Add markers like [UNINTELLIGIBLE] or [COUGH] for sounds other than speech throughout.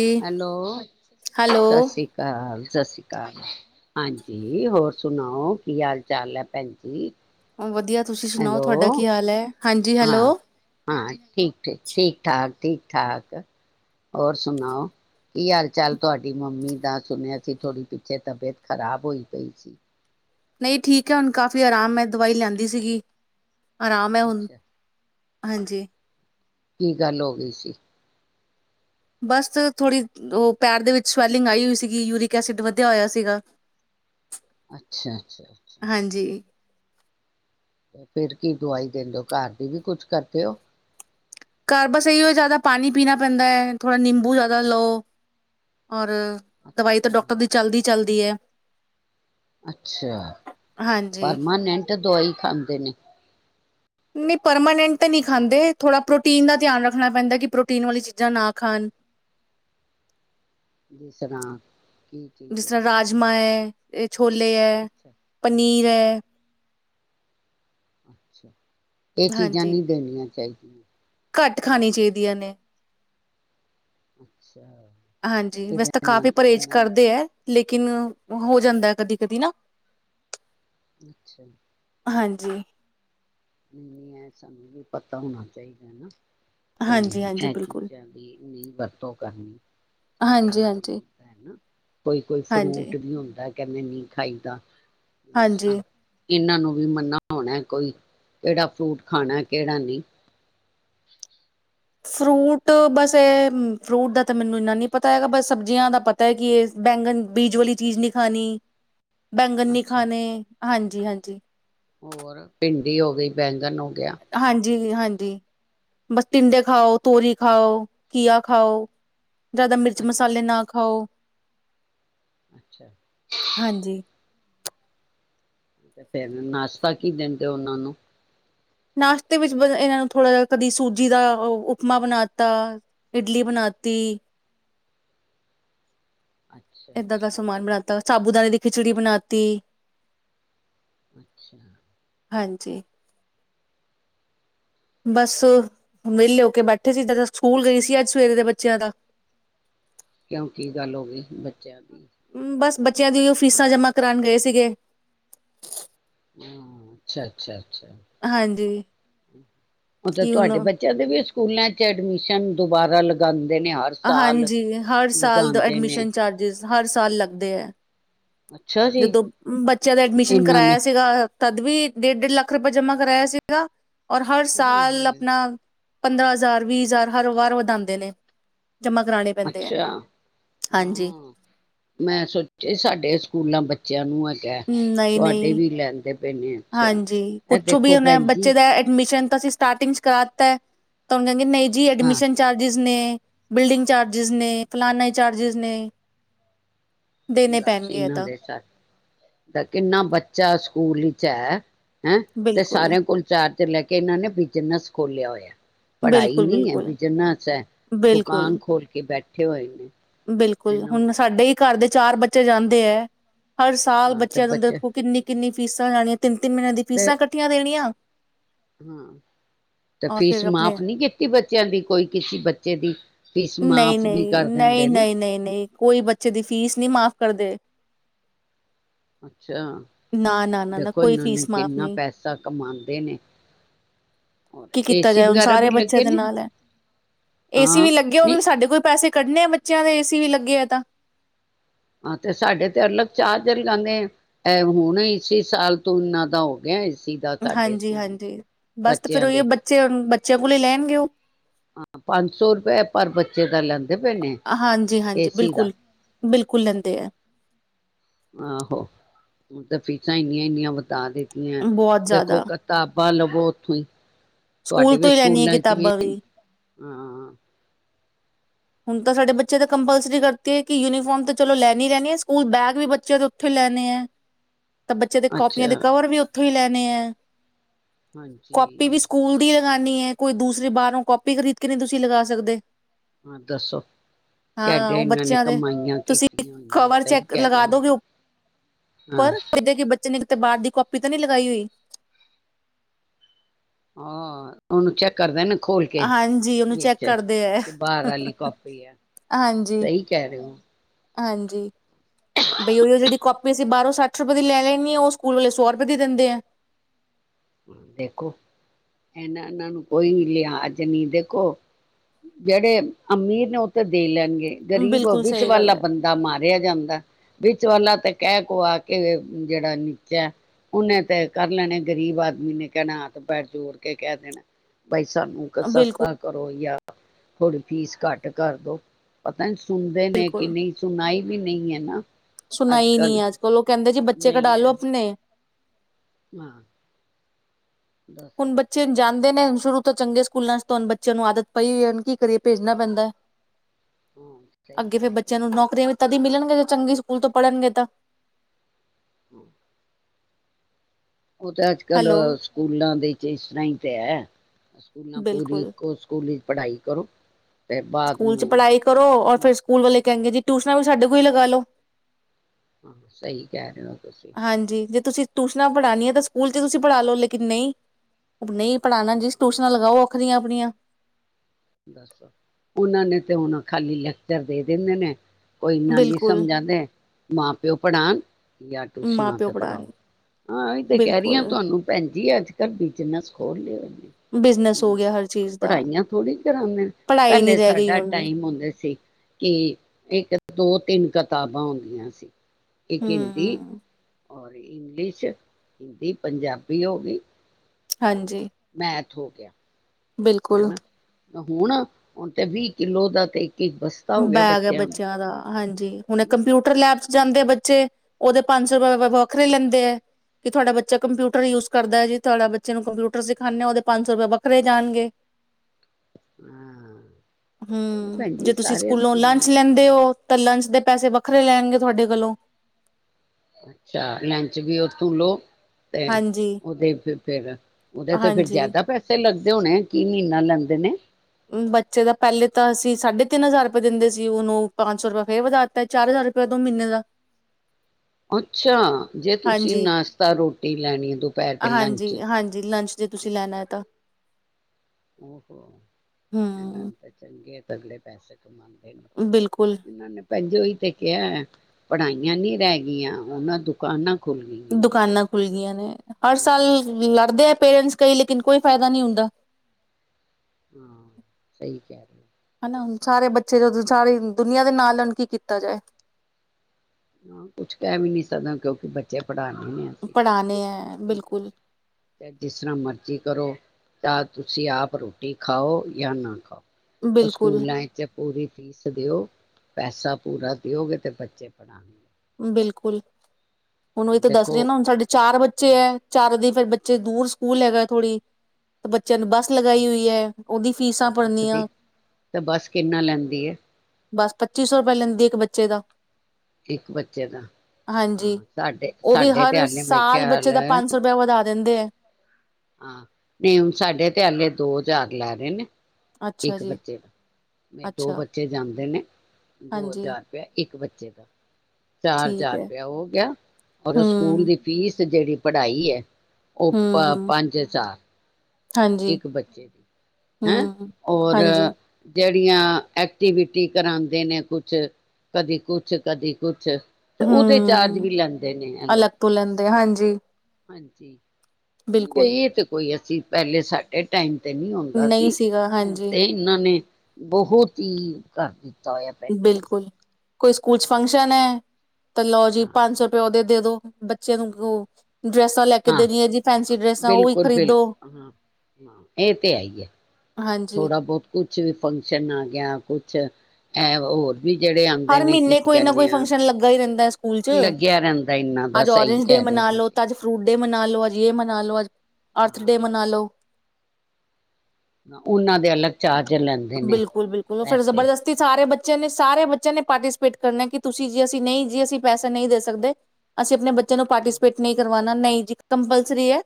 ਜੀ hello hello ਸ਼ਸ਼ੀਕਾਲ ਸਸੀਕਾਲ, ਹਾਂਜੀ ਹੋਰ ਸੁਣਾਓ? ਕੀ ਹਾਲ ਚਾਲ ਐ ਪੈਣ ਜੀ ਵਧੀਆ ਤੁਸੀਂ ਸੁਣਾਓ ਤੁਹਾਡਾ ਹੈਲੋ ਕੀ ਹਾਲ ਹੈ ਹਾਂਜੀ ਹੈਲੋ ਹਾਂ, ਹਾਂ, ਠੀਕ, ਠੀਕ, ਠੀਕ-ਠਾਕ। ਠੀਕ ਠਾਕ, ਓਰ ਸੁਨਾਓ? ਕੀ ਹਾਲ ਚਾਲ ਤੁਆਡੀ ਮੰਮੀ ਦਾ? ਸੁਨਿਆ ਸੀ ਥੋੜ੍ਹੀ ਪਿੱਛੇ ਤਬੀਅਤ ਖਰਾਬ ਹੋਈ ਪਈ ਸੀ। ਨਈ ਠੀਕ ਐ ਹੁਨ ਕਾਫੀ ਆਰਾਮ, ਮੈਂ ਦਵਾਈ ਲਿਆਂਦੀ ਸੀਗੀ। ਆਰਾਮ ਐ ਹੁਨ। ਅੱਛਾ, ਹਾਂਜੀ। ਕੀ ਗੱਲ ਹੋ ਗਈ ਸੀ? ਬਸ ਥੋੜੀ ਓ ਪੈਰ ਦੇ ਵਿੱਚ ਸਵੈਲਿੰਗ ਆਈ ਹੋਈ ਸੀਗੀ, ਯੂਰਿਕ ਐਸਿਡ ਵਧਿਆ ਹੋਇਆ ਸੀਗਾ। ਅੱਛਾ ਅੱਛਾ ਅੱਛਾ ਹਾਂਜੀ ਫਿਰ ਕੀ ਦਵਾਈ ਦਿੰਦੇ ਹੋ ਘਰ ਦੀ ਵੀ ਕੁਝ ਕਰਦੇ ਹੋ ਘਰ ਬਸ ਇਹੀ ਹੋ ਜ਼ਿਆਦਾ ਪਾਨੀ ਪੀਣਾ ਪੈਂਦਾ ਹੈ ਥੋੜ੍ਹਾ ਨਿੰਬੂ ਜ਼ਿਆਦਾ ਲਓ ਔਰ ਅ ਦਵਾਈ ਤਾਂ ਅੱਛਾ, ਡਾਕਟਰ ਦੀ ਚੱਲਦੀ ਚਲਦੀ ਐ ਅੱਛਾ, ਪਰਮਾਨੈਂਟ ਐ ਦਵਾਈ ਖਾਂਦੇ ਨੇ ਨਹੀਂ ਪਰਮਾਨੈਂਟ ਤਾਂ ਨਹੀਂ ਖਾਂਦੇ ਥੋੜ੍ਹਾ ਪ੍ਰੋਟੀਨ ਦਾ ਧਿਆਨ ਰੱਖਣਾ ਪੈਂਦਾ ਕਿ ਪ੍ਰੋਟੀਨ ਵਾਲੀ ਚੀਜ਼ਾਂ ਨਾ ਖਾਣ ਜੀ ਸੁਣਾ ਕੀ ਚੀਜ਼ ਜਿਸ ਹੈ ਤਰ੍ਹਾਂ ਰਾਜਮਾਂ ਹੈ ਇਹ ਛੋਲੇ ਐ, ਅੱਛਾ ਪਨੀਰ [UNINTELLIGIBLE] ਅੱਛਾ ਇਹ ਚੀਜ਼ਾਂ ਹਾਂਜੀ, ਨਹੀਂ ਦੇਣੀਆਂ ਚਾਹੀਦੀਆਂ ਹਮ ਘੱਟ ਖਾਣੀ ਚਾਹੀਦੀਆਂ ਨੇ ਅੱਛਾ ਹਾਂਜੀ ਇਹਦੇ ਵੈਸੇ ਤਾਂ ਕਾਫ਼ੀ ਨਾਲ ਪਰਹੇਜ਼ ਉਹਨਾਂ ਨੂੰ ਕਰਦੇ ਐ ਲੇਕਿਨ ਹੋ ਜਾਂਦਾ ਕਦੀ ਕਦੀ ਨਾ ਅੱਛਾ [UNINTELLIGIBLE] ਹਾਂਜੀ ਨਹੀਂ ਨਹੀਂ ਏ ਸਾਨੂੰ ਵੀ ਪਤਾ ਹੋਣਾ ਚਾਈਦਾ ਏ ਨ ਤੇ ਹਾਂਜੀ-ਹਾਂਜੀ ਇਹ ਬਿਲਕੁਲ, ਚੀਜ਼ਾਂ ਦੀ ਨਹੀਂ ਵਰਤੋਂ ਕਰਨੀ ਕਈ ਵਾਰੀ ਹਾਂਜੀ-ਹਾਂਜੀ, ਹੁੰਦਾ ਹੈਾ ਨਾ ਕੋਈ ਕੋਈ ਹਾਂਜੀ। ਫਰੂਟ ਵੀ ਹੁੰਦਾ ਕਹਿੰਦੇ ਨਈ ਖਾਈਦਾ ਦੱਸਣਾ ਹਾਂਜੀ, ਇਹਨਾਂ ਨੂੰ ਵੀ ਮੰਨਾਣਾ ਹੋਣਾ ਕੋਈ ਕਿਹੜਾ ਫਰੂਟ ਖਾਣਾ ਏ ਕਿਹੜਾ ਨੀ [UNINTELLIGIBLE] ਫਰੂਟ ਬਸ ਇਹ ਫਰੂਟ ਦਾ ਤਾਂ ਮੈਨੂੰ ਇਨਾ ਨਹੀਂ ਪਤਾ ਹੈਗਾ ਬਸ ਸਬਜ਼ੀਆਂ ਦਾ ਪਤਾ ਹੈ ਕਿ ਇਹ ਬੈਂਗਨ ਬੀਜ ਵਾਲੀ ਚੀਜ਼ ਨਹੀਂ ਖਾਣੀ ਬੈਂਗਨ ਨੀ ਅੱਛਾ ਖਾਨੇ ਹਾਂਜੀ ਹਾਂਜੀ ਹੋਰ ਭਿੰਡੀ ਹੋ ਗਈ ਬੈਂਗਨ ਹੋ ਗ ਹਾਂਜੀ ਹਾਂਜੀ ਬਸ ਟਿੰਡੇ ਖਾਓ ਤੋਰੀ ਖਾਓ ਘੀਆ ਖਾਓ ਜ਼ਿਆਦਾ ਮਿਰਚ ਅੱਛਾ ਮਸਾਲੇ ਨਾ ਖਾਓ ਅੱਛਾ ਹਾਂਜੀ। ਤੇ ਫੇਿਰ ਨਾਸ਼ਤਾ ਕੀ ਦਿੰਦੇ ਓ ਓਹਨਾਂ ਨੂੰ ਨਾਸ਼ਤੇ ਵਿੱਚ ਬ ਇਹਨਾਂ ਨੂੰ ਥੋੜ੍ਹਾ ਜਿਹਾ ਕਦੀ ਸੂਜੀ ਦਾ ਉਪਮਾ ਬਣਾ ਤਾ ਇਡਲੀ ਬਣਾ ਤੀ ਅੱਛਾ ਅੱਛਾ ਸਾਬੂਦਾਣੇ ਦੀ ਖਿਚੜੀ ਬਣਾਤੀ ਅੱਛਾ ਹਾਂਜੀ ਬਸ ਵਿਹਲੇ ਹੋ ਕੇ ਬੈਠੇ ਸੀ ਜਿੱਦਾਂ ਸਕੂਲ ਗਈ ਸੀ ਅੱਜ ਸਵੇਰੇ ਦੇ ਬੱਚਿਆਂ ਦਾ ਕਿਉਂ ਕੀ ਗੱਲ ਹੋ ਗਈ ਬੱਚਿਆਂ ਦੀ ਬਸ ਬੱਚਿਆਂ ਦੀ ਓਹ ਫੀਸਾਂ ਜਮਾ ਕਰਾਉਣ ਗਏ ਸੀਗੇ ਅੱਛਾ ਅੱਛਾ ਅੱਛਾ ਹਾਂਜੀ ਓਹ ਤਾਂ ਕਿ ਤੁਹਾਡੇ ਉਹਨੂੰ ਬੱਚਿਆਂ ਦੇ ਵੀ ਸਕੂਲਾਂ 'ਚ ਐਡਮਿਸ਼ਨ ਦੁਬਾਰਾ ਲਗਾਉਂ ਹਾਂਜੀ ਹਰ ਸਾਲ ਦਾ ਲਗਾਉਂਦੇ ਨੇ ਐਡਮਿਸ਼ਨ ਚਾਰਜਿਸ ਹਰ ਸਾਲ ਲੱਗਦੇ ਹੈ ਅੱਛਾ ਜੀ ਜਦੋਂ ਬੱਚਿਆਂ ਦਾ ਐਡਮਿਸ਼ਨ ਇਹਨਾਂ ਨੇ ਕਰਾਇਆ ਸੀਗਾ ਤਦ ਵੀ ਡੇਢ ਡੇਢ ਲੱਖ ਰੁਪਇ ਜਮ੍ਹਾਂ ਕਰਾਇਆ ਸੀਗਾ ਔਰ ਹਰ ਹੋਏ ਸਾਲ ਹੋਏ ਅਪਨਾ ਪੰਦਰਾਂ ਹਜ਼ਾਰ ਵੀਹ ਹਜ਼ਾਰ ਹਰ ਵਾਰ ਵਧਾਉਂਦੇ ਨੇ ਜਮ੍ਹਾਂ ਕਰਾਣੇ ਪੈਂਦੇ ਆ ਅੱਛਾ ਹਾਂਜੀ ਹਾਂ ਮੈਂ ਸੋਚੇ ਸਾਡੇ ਸਕੂਲਾਂ ਬੇ ਚਨੂੰ ਨਹੀਂ ਨਹੀਂ ਨੇ ਅੱਛਾ ਹਾਂਜੀ ਇਹ ਪੁੱਛੋ ਵੀ ਦੇਖੋ ਉਹਨੇ ਭੈਣ ਜੀ ਬੱਚੇ ਦਾ ਐਡਮਿਸ਼ਨ ਅਸੀਂ ਸਟਾਰਟਿੰਗ ਚ ਕਰਾੱਤੈ ਨਈ ਜੀ ਹਾਂ ਐਡਮਿਸ਼ਨ ਚਾਰਜਿਸ ਨੇ ਬਿਲਡਿੰਗ ਚਾਰਜਿਸ ਨੇ ਫਲਾਨਾ ਚਾਰਜਿਸ ਨੇ ਦੇਣੇ ਪਹਿਨ ਦੱਸ ਗਿਆ ਏ ਇਹਨਾਂ ਦਾ ਦੇ ਸੱਚ ਦਾ ਕਿੰਨਾ ਬੱਚਾ ਸਕੂਲ ਵਿੱਚ ਏ ਹੈਂ ਤੇ ਬਿਲਕੁਲ ਸਾਰਿਆਂ ਕੋਲ ਚਾਰ ਲੈ ਕੇ ਇਹਨਾਂ ਨੇ ਬਿਜਨਸ ਖੋਲਿਆ ਹੋਇਆ ਪੜ੍ਹਾਈ ਬਿਲਕੁਲ ਨੀ ਏ ਬਿਲਕੁਲ ਬਿਜਨਸ ਹੈ ਬਿਲਕੁਲ ਦੁਕਾਨ ਖੋਲ ਕੇ ਬੈਠੇ ਹੋਏ ਨੇ ਬਿਲਕੁਲ ਇਹਨਾਂ ਹੁਣ ਸਾਡੇ ਹੀ ਘਰ ਦੇ ਚਾਰ ਬੱਚੇ ਜਾਂਦੇ ਐ ਹਰ ਸਾਲ ਹਾਂ ਤੇ ਬੱਚਿਆਂ ਨੂੰ ਬੱਚੇ ਦੇਖੋ ਕਿੰਨੀ ਕਿੰਨੀ ਪੀਸਣ ਆ ਤਿੰਨ ਤਿੰਨ ਮਹੀਨਿਆਂ ਦੀ ਤੇ ਫੀਸਾਂ ਕੱਠੀਆਂ ਦੇਣੀਆਂ ਹਾਂ ਤੇ ਔਰ ਫੀਸ ਫਿਰ ਆਪਣੇ ਮਾਫ਼ ਨਹੀਂ ਕੀਤੀ ਬੱਚਿਆਂ ਦੀ ਕੋਈ ਕਿਸੇ ਬੱਚੇ ਦੀ ਫੀਸ ਨਹੀਂ ਮਾਫ਼ ਵੀ ਨਹੀਂ ਕਰ ਦਿੰਦੇ ਨਹੀਂ ਨੇ ਨਹੀਂ ਨਹੀਂ ਨਹੀਂ ਕੋਈ ਬੱਚੇ ਦੀ ਫੀਸ ਨਹੀਂ ਮਾਫ਼ ਕਰਦੇ ਅੱਛਾ ਅੱਛਾ ਨਾ ਨਾ ਨਾ ਨਾ ਦੇਖੋ ਕੋਈ ਏੱਨਾਨੇ ਫੀਸ ਮਾਫ਼ ਕਿੰਨਾ ਨਹੀਂ ਪੈਸਾ ਕਮਾਂਦੇ ਨੇ ਔਰ ਕੀ ਕੀਤਾ ਏਸੀ ਜਾਏ ਹੁਣ ਵਗੈਰਾ ਵੀ ਸਾਰੇ ਬੱਚਿਆਂ ਲੱਗੇ ਦੇ ਨੇ ਨਾਲ ਹੈ ਏਸੀ ਹਾਂ ਵੀ ਲੱਗੇ ਓਹ ਨਹੀਂ ਵੀ ਸਾਡੇ ਕੋਲ ਪੈਸੇ ਕੱਢੇਨੇ ਏ ਬੱਚਿਆਂ ਦੇ ਏ-ਸੀ ਵੀ ਲੱਗੇ ਆ ਤਾਂ ਹਾਂ ਤੇ ਸਾਡੇ ਤੇ ਅਲੱਗ ਚਾਰਜਰ ਲਗਾਉਦੇ ਆ ਇਹ ਹੁਣ ਈ ਸਾਲ ਤੋਂ ਇਨਾ ਦਾ ਹੋ ਗਿਆ ਚਿਦਾ ਸਾਡੇ ਹਾਂਜੀ ਸਕੂਲ ਹਾਂਜੀ ਵਿੱਚ ਬਸ ਤੇ ਫਿਰ ਬੱਚਿਆਂ ਉਹੀ ਦੇ ਬੱਚੇ ਬੱਚਿਆਂ ਕੋਲ ਹੀ ਲੈਣਗੇ ਉਹ ਹ ਪੰਜ ਸੌ ਰੁਪਏ ਪਰ ਬੱਚੇ ਦਾ ਲੈਂਦੇ ਪੈਨੇ ਹਾਂਜੀ ਹਾਂਜੀ ਏ-ਸੀ ਦਾ ਬਿਲਕੁਲ ਬਿਲਕੁਲ ਲੈਂਦੇ ਐ ਆਹੋ, ਤੇ ਫੀਸਾਂ ਇੰਨੀਆਂ ਇੰਨੀਆਂ ਵਧਾ ਦੇਤੀ ਬਹੁਤ ਦੇਖੋ ਜ਼ਿਆਦਾ ਕੱਤਾ ਬਾਹ ਲਵੋ ਉੱਥੋਂ ਹੀ ਤੁਹਾਡੇ ਸਕੂਲ ਤੋਂ ਵੀ ਹੀ ਲੈਣੀਆਂ ਸਕੂਲਾਂ ਚ ਕਿਤਾਬਾਂ ਵੀ ਹਾਂ ਹੁਣ ਤਾਂ ਸਾਡੇ ਬੱਚਿਆਂ ਤਾਂ ਕੰਪਲਸਰੀ ਕਰਤੀ ਹੈ ਕਿ ਯੂਨੀਫਾਰਮ ਤਾਂ ਚਲੋ ਲੈਣੀ ਈ ਲੈਣਿ ਏ ਸਕੂਲ ਬੈਗ ਵੀ ਬੱਚਿਆਂ ਦੇ ਓਥੋ ਈ ਲੈਣੇ ਏ ਤਾਂ ਬੱਚੇ ਦੇ ਕਾਪੀਆਂ ਦੇ ਅੱਛਾ ਕਵਰ ਵੀ ਓਥੋਂ ਇ ਲੈਣ ਨੇ ਏ ਕਾੱਪੀ ਵੀ ਹਾਂਜੀ ਸਕੂਲ ਦੀ ਹੈ ਕੋਈ ਦੂਸਰੀ ਬਾਹਰੋਂ ਕਾਪੀ ਖਰੀਦ ਕੇ ਨਹੀਂੀ ਤੁਸੀਂ ਲਗਾ ਸਕਦੇ ਹਾਂ ਦੱਸੋ ਹਾਂ ਕਡੇ ਉਹ ਇਹਨਾਂ ਨੇ ਬੱਚਿਆਂ ਦੇ ਕਮਾਈਆਂ ਤੁਸੀਂ ਕੀਤੀਆਂ ਹੋਈਆਂ ਕਵਰ ਸਹੀ ਚੈੱਕ ਕਹਿ ਰੇ ਲਗਾ ਓ ਦੋਗੇ ਹਾਂ ਤੇ ਬਾਹਰ ਦੀ ਕਾੱਪੀ ਤਾਂ ਨੀ ਲਗਾਈ ਹੋਈ ਹਾਂ ਔਨੂ ਚੈੱਕ ਕਰਦਾ ਐ ਨਾ ਖੋਲ ਕੇ ਹਾਂਜੀ ਉਹਨੂੰ ਚੈੱਕ ਕਰਦੇ ਹੈ ਹਾਂਜ ਬਈ ਉਹਹੀ ਜਿਹੜੀ ਕਾਪੀ ਸੀ ਬਾਰੋਂ ਸੌ ਸੱਠ ਰੁਪਏ ਦੀ ਲੈ ਲੈਨੀ ਆਂ ਔ ਸਕੂਲ ਵਾਲਲੇ ਸੌ ਰੁਪਏ ਦੀ ਦਿੰਦੇ ਐਂ। ਦੇਖੋ ਏਨਾ-ਏਨਾ ਨੂੰ ਕੋਈ ਲਿਆਜ ਨਈਂ ਦੇਖੋ ਜੇੜੇ ਅਮੀਰ ਨੇ ਔ ਤੇ ਦੇ ਲੈਨਗੇ ਗਰੀਬ ਔ ਬਿਲਕੁਲ ਵਿੱਚ ਸਹੀ ਗੱਲ ਵਾਲਾ ਹੈ ਬੰਦਾ ਮਾਰਿਆ ਜਾਂਦਾ, ਵਿੱਚ ਵਾਲਾ ਤੇ ਕਹਿ ਕੋਆ ਕੇ ਜੇੜਾ ਨੀਚਾ ਔਨੇ ਤੇ ਕਰ ਲੈਨ ਗਰੀਬ ਆਦਮ ਔਨੇ ਕੇਨਾ ਹਾਥ-ਪੈਰ ਜੋੋੜ ਕੇ ਕੈਹ ਦੇਨਾ [UNINTELLIGIBLE] ਬਿਲਕੁਲ ਸਸਤਾ ਕਰੋ ਯਾ ਥੋੜੀ ਫੀਸ ਘੱਟ ਕਰਦੋ ਪਤਾ ਨ ਸੁਨਦੇ ਨੇ ਕਿ ਬਿਲਕੁਲ ਨਂਈ ਸੁਨਾਈ ਵੀ ਨਈ ਐ ਨਾ ਸੁਣਾਈ ਨੀ ਅੱਜ-ਕੱਲ ਅੱਜ ਕੱਲ ਉਹ ਕਹਿੰਦੇ ਜੀ ਬੱਚੇ ਕਡਾਲੋ ਅਪਨੇ ਹਾਂ ਦੱਸ ਹੁਨ ਬੱਚੇ ਨੂੰ ਜਾ ਦੇ ਨੇ ਸ਼ੁਰੂ ਤੋਂ ਚੰਗੇ ਸਕੂਲਾਂ ਚ ਤੁਆਨੂੰ ਬੱਚਿਆਂ ਨੂੰ ਆਦਤ ਪਈ ਹੋਈ ਕੀ ਕਰੀਏ? ਭੇਜਾਨ ਪੇਂਦੈ। ਹਾਂ ਸਹੀ ਅੱਗੇ ਫੇਰ ਕਹਿ ਰਹੇ ਬੱਚਿਆਂ ਨੂੰ ਨੌਕਰੀਆਂ ਵਿ ਕਦੀ ਮਿਲਣਗੇ ਜ ਚੰਗੇ ਸਕੂਲ ਤੋਂ ਪੜ੍ਹਨਗੇ ਤਾਂ। ਹੂੰ ਉਹ ਤਾਂ ਅੱਜ ਕੱਲ ਹੈਲੋ ਸਕੂਲਾਂ ਦੇ 'ਚ ਇਸ ਤਰ੍ਹਾਂ ਹੀ ਤੇ ਹੈ। ਸਕੂਲਾਂ ਪੂਰੀ ਬਿਲਕੁਲ ਇੱਕੋ ਸਕੂਲ ਹੀ ਪੜ੍ਹਾਈ ਕਰੋ। ਤੇ ਬਾਅਦ ਸਕੂਲ 'ਚ ਨੂੰ ਪੜ੍ਹਾਈ ਕਰੋ, ਔਰ ਫਿਰ ਹਾਂ ਸਕੂਲ ਵਾਲੇ ਕਹਿੰਗੇ, ਜੀ ਟਿਊਸ਼ਨਾ ਵੀ ਸਾਡੇ ਕੋਲ ਹੀ ਲਗਾ ਲੋ। ਹਾਂ ਸਹੀ ਕਹਿ ਰਹੇ ਹੋ। ਤੁਸੀਂ ਹਾਂਜੀ ਜਿ ਤੁਸੀਂ ਟਿਊਸ਼ਨਾਂ ਪੜਾਣੀਆਂ ਤਾਂ ਸਕੂਲ 'ਚ ਤੁਸੀਂ ਪੜ੍ਹਾ ਲਓ, ਲੇਕਿਨ ਨਹੀਂ। ਨਹੀਂ ਪੜਾਣਾ ਜੀ ਟਿਊਸ਼ਨਾਂ ਲਗਾਓ ਨੋਕਰੀਆਂ ਆਪਣੀਆਂ ਦੱਸੋ, ਉਹਨਾਂ ਨੇ ਤੇ ਹੁਣ ਖਾਲੀ ਲੈਕਚਰ ਦੇ ਦਿੰਦੇ ਨੇ ਕੋਈ ਇੰਨਾ ਨਹੀਂ ਬਿਲਕੁਲ ਸਮਝਾ ਦੇ ਮਾਂ ਪਿਓ ਪੜ੍ਹਾਣ ਜਾਂ ਮਾਂ ਟਿਊਸ਼ਨਾਂ ਪਿਓ ਤੇ ਪੜ੍ਹਾਣ ਪੜ੍ਹਾਓ ਹਾਂ ਇਹ ਤੇ ਕਹਿ ਰਹੀ ਹ ਬਿਲਕੁਲ ਤੁਹਾਨੂੰ ਭੈ ਕੀ ਅੱਜ ਕੱਲ੍ਹ ਬਿਜਨਸ ਖੋਲ੍ਹੇ ਲਏ। ਬਿਜਨਸ ਹੋ ਗਿਆ ਹਰ ਚੀਜ਼ ਦਾ। ਥੋੜ੍ਹੀ ਪੜ੍ਹਾਈ ਨਹੀਂ ਪਹਿਲੇ ਰਹਿ ਗਈ ਸਾਡਾ ਹੁਣ ਵੀ। ਟਾਈਮ ਹੁੰਦੇ ਸੀ ਕਿ ਇੱਕ ਦੋ ਤਿੰਨ ਕਿਤਾਬਾਂ ਹੁੰਦੀਆਂ ਸੀ। ਇੱਕ ਹਿੰਦੀ ਹੂੰ, ਔਰ ਇੰਗਲਿਸ਼ ਇਕ ਪੰਜਾਬੀ ਹੋ ਗਈ। ਬਸ ਹਾਂਜੀ ਮੈਂ [UNINTELLIGIBLE] ਗਿਆ। ਬਿਲਕੁਲ ਹਨਾ ਹੁਣ, ਹੁਣ ਤੇ ਵੀਹ ਕਿੱਲੋ ਦਾ ਤੇ ਇੱਕ ਬਸਤਾ ਹੋ ਗਿਆ ਬੈਗ ਹੈ ਬੱਚਿਆਂ ਦਾ ਹਾਂਜੀ ਜੀ, ਹੁਣ ਹਨਾ ਕੰਪਿਊਟਰ ਲੈਬ ਜਾਂਦੇ ਬੱਚੇ, ਉਹਦੇ ਪੰਜ ਸੌ ਰੁਪਏ ਵੱਖਰੇ ਲੈਂਦੇ ਹੈ ਕਿ ਤੁਹਾਡਾ ਬੱਚਾ ਕੰਪਿਊਟਰ ਯੂਜ ਕਰਦਾ ਹੈ ਜੀ ਤੁਹਾਡਾ ਬੱਚੇ ਨੂੰ ਕੰਪਿਊਟਰ ਸਿਖਾਉਂਦੇ ਉਹਦੇ ਪੰਜ ਸੌ ਰੁਪਏ ਵੱਖਰੇ ਜਾਣਗੇ। ਹਾਂ ਇਹ ਹੂੰ ਭੈਣ ਜੇ ਜੀ ਤੁਸੀਂ ਸਾਰੇ ਸਕੂਲੋਂ ਸਕੂਲਾਂ ਲੰਚ ਚ ਲੈਂਦੇ ਬਣਾਇਆ ਹੋ, ਤਾਂ ਲੰਚ ਦੇ ਪੈਸੇ ਵੱਖਰੇ ਲੈਣਗੇ ਤੁਹਾਡੇ ਕੋਲੋਂ ਅੱਛਾ ਲੰਚ ਵੀ ਉੱਥੋਂ ਲੋ। ਤੇ ਹਾਂਜੀ, ਉਹਦੇ ਫਿਰ ਉਹਦੇ ਤੇ ਫਿਰ ਹਾਂਜੀ। ਜ਼ਿਆਦਾ ਪੈਸੇ ਲੱ ਹੋਣੇ ਕੀ ਮਹੀਨਾ ਲੈਂਦੇ ਨੇ। ਬੱਚੇ ਦਾ ਪਹਿਲੇ ਤਾਂ ਅਸੀਂ ਸਾਢੇ ਤਿੰਨ ਹਜ਼ਾਰ ਰੁਪਏ ਦਿੰਦੇ ਸੀ, ਉਹਨੂੰ ਪੰਜ ਸੌ ਰੁਪਆ ਫੇਰ ਵਧਾ ਦਿੱਤਾ ਚਾਰ ਹਜ਼ਾਰ ਰੁਪਇਆ ਦੋ ਮਹੀਨੇ ਦਾ। ਅੱਛਾ, ਜੇ ਤੁਸੀਂ ਹਾਂਜੀ। ਨਾਸ਼ਤਾ ਰੋਟੀ ਲੈਣੀ ਦੁਪੈਰ ਦੇ ਲੰਚ ਹਾਂਜੀ, ਹਾਂਜੀ ਲੰਚ ਜੇ ਤੁਸੀਂ ਲੈਣਾ ਹੈ ਤਾਂ [UNINTELLIGIBLE] ਐਨਾਂ ਹੂੰ, ਤਾਂ ਚੰਗੇ ਅਗਲੇ ਪੈਸੇ ਏ ਬਿਲਕੁਲ। ਇਨਾਂ ਨੇ ਭੈਂਜੀ ਤੇ ਕੈਯਾ, ਪੜ੍ਹਾਈਆਂ ਨੀ ਰੈਗੀਆਂ ਹੁਨ ਐ ਦੁਕਾਨਾਂ ਖੁੱਲ ਗਈਆਂ ਹਾਂ ਦੁਕਾਨਾਂ ਖੁੱਲਗੀਆਂ ਨੇ, ਗੁਰੂ ਹਰ ਹਰ ਸਾਲ ਲੜਦੇ ਪੇਰੈਂਟਸ ਕਈ ਲੇਕ ਕੋਈ ਫਾਇਦਾ ਨਹੀਂ ਹੁੰਦਾ। ਹਾਂ, ਸਹੀ ਕਹਿ ਰਹੇ ਹਨਾ ਸਾਰੇ ਹੋ ਬੱਚੇ ਜੋਂ ਸਾਰੇ ਦੁਨੀਆਂ ਦੇ ਨਾਲ ਹੁਨ ਕੀ ਕੀਤਾ ਜਾਏ? ਨਾਂ, ਕੁਛ ਕੈ ਵੀ ਨੀ ਸਕਾ ਕੇਓਕਿ ਬੱਚੇ ਪੜਾਨੇ ਨੇ ਅਸੀ, ਪੜ੍ਹਾਣੇ ਹੈ ਕਿ ਕਰੇ ਬਿਲਕੁਲ। ਚਾਏ ਜਿਸਰਾ ਮਰਜ ਕਰੋ ਚਾ ਤੁਸੀ ਆਪ ਰੋਟੀ ਖਾਓ ਯਾ ਨਾ ਖਾਓ ਬਿਲਕੁਲ, ਸਕੂਲਾਂ ਚ ਪੂਰੀ ਫੀਸ ਦੇਓ ਪੈਸਾ ਪੂਰਾ ਦੇਓਗੇ ਤੇ ਬੱਚੇ [UNINTELLIGIBLE] ਬਿਲਕੁਲ। ਹੂਨ ਓਈ ਹੁਣ ਤਾਂ ਦੱਸ ਦੇਖੋ ਰਈ ਆ ਨਾ ਹੁਨ ਸਾਡੇ ਚਾਰ ਬੱਚੇ ਐ, ਚਾਰੋ ਦੀ ਫੇਰ ਬੱਚੇ ਦੂਰ ਸਕੂਲ ਹੈਗਾ ਥੋੜ੍ਹੀ ਚਨ ਬਸ ਲਗਾਈ ਤੇ ਹੋਈ ਹੈ ਓਹਦੀ ਫੀਸਾਂ ਬੱਸ ਦੀ ਭਰਨੀਆਂ ਤੇ ਬੱਸ ਕਿੰਨਾ ਲੈਂਦੀ ਹੈ ਬਸ ਪੱਚੀ ਸੌ ਰੁਪਏ ਲੈਂਦੀ ਇੱਕ ਬੱਚੇ ਦਾ ਇੱਕ ਬੱਚੇ ਦਾ ਹਾਂਜੀ ਹਾਂ ਸਾਡੇ ਉਹ ਵੀ ਸਾਡੇ ਤੇ ਹਰ ਹੇ ਮੇ ਸਾਲ ਬੱਚੇ ਖਿਆਲ ਦਾ ਪੰਜ ਸੌ ਰੁਪਇਆ ਵਧਾ ਦਿੰਦੇ ਹਾਂ ਨਹੀਂ ਹੁਣ ਸਾਡੇ ਤੇ ਹਲੇ ਦੋ ਹਜ਼ਾਰ ਲੈ ਰਹੇ ਨੇ ਅੱਛਾ ਇੱਕ ਜੀ, ਬੱਚੇ ਦਾ ਮੇਰੇ ਦੋ ਅੱਛਾ, ਬੱਚੇ ਜਾਂਦੇ ਨੇ ਦੋ ਹਾਂਜੀ, ਹਜ਼ਾਰ ਰੁਪਇਆ ਇੱਕ ਬੱਚੇ ਜੇਦਾ ਚਾਰ ਠੀਕ ਹਜ਼ਾਰ ਐ, ਰੁਪਇਆ ਹੋ ਗਿਆ ਔਰ ਓਹ ਸਕੂਲ ਹੂੰ, ਦੀ ਫੀਸ ਜਿਹੜੀ ਪੜ੍ਹਾਈ ਏ ਹੰ ਪੰਜ ਚਾਰ ਇੱਕ ਬੱਚੇ ਦੀ ਹੈਂ, ਹੂੰ, ਔਰ ਹਾਂਜੀ, ਜਿਹੜੇ ਯਾ ਐਕਟੀਵਿਟੀ ਕਰਾਦੇ ਨੇ ਕੁਛ ਕਦੀ ਕੁਛ ਕਦੀ ਕੁਛ ਤੇ ਉਹਦੇ ਚਾਰਜ ਹੂੰ, ਵੀ ਲੈਂਦੇ ਨੇ ਇਹ ਲੋਕ ਅਲੱਗ ਤੋਂ ਲੈਂਦੇ ਹਾਂਜੀ। ਹਾਂਜੀ। ਬਈ ਬਿਲਕੁਲ ਇਹ ਤੇ ਕੋਈ ਏ ਅਂਸੀ ਪਹਿਲੇ ਸਾਡੇ ਟਾਈਮ ਤੇ ਨੀ ਹੋਂਦਾ ਨਹੀਂ ਸੀ। ਸੀਗਾ ਹੁਣ ਹਾਂਜੀ, ਤੇ ਇਹਨਾਂ ਨੇ ਬਹੁਤ ਹੀ ਕਰ ਦਿੱਤਾ। ਤਾਂਇਆ ਪੈਂਤੀਸ ਬਿਲਕੁਲ ਕੋਈ ਸਕੂਲ ਚ ਫੰਕਸ਼ਨ ਹੈ? ਤੇ ਲਓ ਜੀ ਹਾਂ ਪੰਜ ਸੌ ਰੁਪਏ ਓਹਦੇ ਦੇ ਦੋ ਬੱਚੇ ਨੂੰ ਓਹ ਡਰੈਸਾਂ ਲੈਕੇ ਹਾਂ ਦੇਣੀਆਂ ਜੀ ਫੈਸੀ ਡਰੈਸਾਂ ਉਹ ਵੀ ਬਿਲਕੁਲ ਖਰੀਦੋ, ਬਿਲਕੁਲ ਹਾਂ ਹਾਂ ਇਹ ਤੇ ਹੈ ਹੀ ਹੈ ਹਾਂਜੀ। ਥੋੜ੍ਹਾ ਬਹੁਤ ਕੁਛ ਵੀ ਫੰਕਸ਼ਨ ਆ ਗਿਆ, ਕੁਛ ਇਹ ਹੋਰ ਵੀ ਜਿਹੜੇ ਆਉਂਦੇ ਹਰ ਨੇ ਕੀ ਮੀੱਨੇ ਕੋਈ ਨਾ ਕਹਿੰਦੇ ਕੋਈ ਆ ਫੰਕਸ਼ਨ ਲੱਗਾ ਹੀ ਰਹਿੰਦਾ ਸਕੂਲ ਚ, ਲੱਗਿਆ ਰਹਿੰਦਾ ਇਹਨਾਂ ਦਾ ਅੱਜ ਸਹੀ ਓਰੇਂਜ ਡੇ ਕਹਿ ਰਹੇ ਹੋ ਮਨਾ ਲਓ ਤੁਸੀਂ ਤਾਂ ਅੱਜ ਫਰੂਟ ਇਹ ਮਨਾ ਲੋ ਆਜ ਯੇ ਮਨਾ ਲੋ ਆਜ ਅਰਥ ਡੇ ਹਾਂ ਮਨਾ ਲੋ ਓਹਨਾਂ ਦੇ ਅਲੱਗ ਚਾਰਜ ਲੈਂਦੇ ਨੇ ਬਿਲਕੁਲ -ਬਿਲਕੁਲ ਓਹ ਫਿਰ ਪੈਸੇ ਜਬਰਦਸਤੀ ਸਾਰੇ ਬੱਚੇ ਬੱਚਿਆਂ ਨੇ ਸਾਰੇ ਬੱਚਿਆਂ ਨੇ ਪਾਰਟੀਸਪੇਟ ਕਰਨਾ, ਕਿ ਤੁਸੀਂ ਜੀ ਅਸੀਂ ਨਹੀਂ ਜੀ ਅਸੀਂ ਪੈਸਾ ਨਹੀਂ ਦੇ ਸਕਦੇ ਅਸੀਂ ਆਪਣੇ ਬੱਚੇ ਬਚੇ ਨੂੰ ਪਾਰਟੀਸਪੇਟ ਨਈ ਕਰ ਕਰਵਾਣਾ ਨਹੀਂ ਜੀ ਕੰਪਲਸਰੀ ਏ।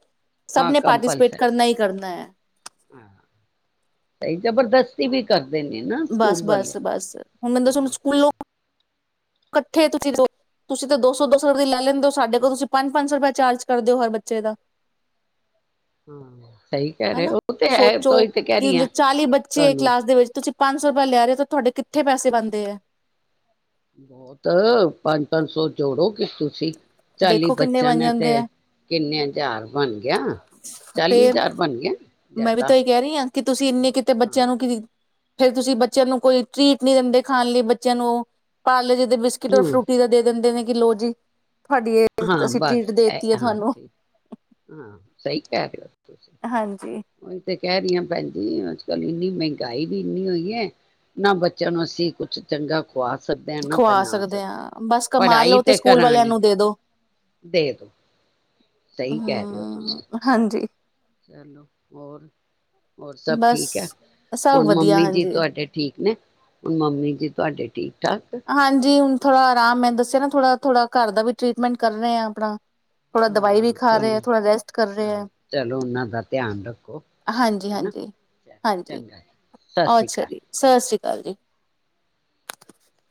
ਸਭ ਨੇ ਪਾਰਟੀਸਪੇਟ ਕਰਨਾ ਈ ਕਰਨਾ ਏ। ਹ ਸਹੀ ਜਬਰਦਸਤੀ ਵੀ ਕਰ ਬਸ- ਬਸ- ਬਸ ਹੁਣ ਮੈਨੂੰ ਦੱਸ ਹੁਣ ਬਸ ਸਕੂਲੋਂ ਕੱਠੇ ਤੁਸੀਂ ਦੋ ਤੁਸੀਂ ਤਾਂ ਦੋ ਸੌ ਦੋ ਸੌ ਰੁਪਏ ਲੈ ਲੈਂਦੇ ਸਾਡੇ ਕੋਲ ਤੁਂਸੀ ਪੰਜ ਸੋ ਪੰਜ ਸੋਂ ਰੁਪਏ ਚਾਰਜ ਕਰਦੇ ਓ ਹਰ ਬੱਚੇ ਦਾ ਹੰ ਹਨਾ ਸੋਚੋ ਕਿ ਰਹੀ ਜੇ ਹਾਂ ਚਾਲੀ ਬੱਚੇ ਤੁਹਾਨੂੰ ਕਲਾਸ ਦੇ ਵਿੱਚ ਤੁਸੀਂ ਪੰਜ ਸੌ ਰੁਪਇਆ ਲਿਆ ਰਹੇ ਤਾਂ ਤੁਹਾਡੇ ਕਿੱਥੇ ਪੈਸੇ ਬਣਦੇ ਏ। ਬਹੁਤ ਪੰਜ- ਪੰਜ ਸੌ ਜੋੜੋ ਕਿ ਤੁਸੀਂ ਚਾਲੀ ਦੇਖੋ ਕਿੰਨੇ ਬੱਚਿਆਂ ਬਣ ਨੇ ਤੇ ਜਾਂਦੇ ਹੈ ਕਿੰਨੇ ਹਜ਼ਾਰ ਬਣ ਗਿਆ, ਚਾਲੀ ਫੇਰ ਹਜ਼ਾਰ ਬਣ ਗਿਆ। ਮੈਂ ਵੀ ਜ਼ਿਆਦਾ ਤਾਂ ਇਹ ਕਹਿ ਰਹੀ ਹਾਂ, ਕਿ ਤੁਸੀਂ ਇੰਨੇ ਕਿਤੇ ਹਾਂ ਬੱਚਿਆਂ ਨੂੰ ਕਿ ਫੇਰ ਤੁਸੀਂ ਬੱਚਿਆਂ ਨੂੰ ਕੋਈ ਟ੍ਰੀਟ ਨਹੀਂ ਦਿੰਦੇ ਖਾਣ ਲਈ ਬੱਚਿਆਂ ਨੂੰ ਪਾਰਲੈ ਬਿਸਕੁਟ ਔਰ ਹਮ ਫਰੂਟੀ ਦਾ ਦੇ ਦਿੰਦੇ ਨੇ ਗ ਲੋੋ ਜੀ [UNINTELLIGIBLE] ਇਹ ਹਾਂ ਅਸੀਂ ਬਸ ਟਰੀਟ ਐ ਦੇਤੀ ਹੈ ਹਾਂ ਤੁਹਾਨੂੰ ਠੀਕ ਹਾਂ ਸਹੀ ਕਹਿ ਰਹੇ ਹੋ ਹੋ ਤੁਸੀ ਹਾਂਜੀ ਓਹੀ ਤੇ ਕਹਿ ਰਹੀ ਹਾਂ ਭੈਣ ਜੀ ਅੱਜ ਕੱਲ ਇੰਨੀ ਮਹਿੰਗਾਈ ਵੀ ਇੰਨੀ ਹੋਈ ਹੈ, ਨਾ ਬੱਚਿਆਂ ਨੂੰ ਅਸੀਂ ਕੁਛ ਚੰਗਾ ਖਵਾ ਸਕਦੇ ਹਾਂ ਨਾ ਖੁਆ ਪਹਿਨਾ ਸਕਦੇ ਹਾਂ, ਬਸ ਕਮਾ ਲੋ ਤੇ ਸਕੂਲ ਵਾਲਿਆਂ ਨੂੰ ਦੇ ਦੋ ਦੇਖ ਤੂੰ [UNINTELLIGIBLE] ਸਹੀ ਕਹਿ ਰੇ ਓ ਹਮ ਤੁਸੀ ਹਾਂਜੀ ਚਲੋ ਹੋਰ ਹੋਰ ਸਭ ਬਸ ਠੀਕ ਹੈ, ਸਭ ਹੁਣ ਵਧੀਆ ਮੰਮੀ ਜੀ ਹਾਂਜੀ ਤੁਹਾਡੇ ਠੀਕ ਨੇ ਹੁਣ ਮੰਮੀ ਜੀ ਤੁਹਾਡੇ ਠੀਕ ਠਾਕ? ਹਾਂਜੀ ਹੁਣ ਥੋੜਾ ਆਰਾਮ ਮੈਂ ਦੱਸਿਆ ਨਾ ਥੋੜਾ-ਥੋੜਾ ਘਰ ਦਾ ਵੀ ਟ੍ਰਰੀਟਮੈਂਟ ਕਰ ਰਹੇ ਹਾਂ ਆਪਣਾ ਥੋੜਾ ਦਵਾਈ ਵੀ ਹਾਂ ਖਾ ਰਹੇ ਆ ਚਲੋ ਥੋੜਾ ਰੈਸਟ ਕਰ ਰਹੇ ਹਾਂ ਆ, ਚਲੋ ਉਹਨਾਂ ਦਾ ਧਿਆਨ ਰੱਖੋ ਹਾਂਜੀ ਹਨਾ। ਹਾਂਜੀ, ਹਾਂਜੀ, ਚੰਗਾ ਸਤਿ ਸ਼੍ਰੀ ਅਕਾਲ। ਅਛਾ ਜੀ, ਸਤ ਸ੍ਰੀ ਅਕਾਲ ਚ ਜੀ [UNINTELLIGIBLE]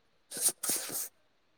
[INAUDIBLE]